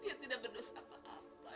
dia tidak berdosa apa apa ya allah